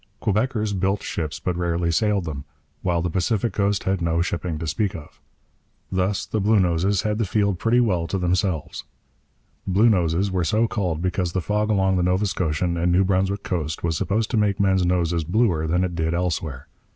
Quebeckers built ships, but rarely sailed them; while the Pacific coast had no shipping to speak of. Thus the Bluenoses had the field pretty well to themselves. Bluenoses were so called because the fog along the Nova Scotian and New Brunswick coast was supposed to make men's noses bluer than it did elsewhere.